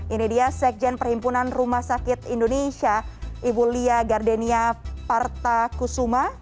ini dia sekjen perhimpunan rumah sakit indonesia ibu lia gardenia parta kusuma